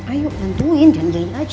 ayo bantuin dan jalin aja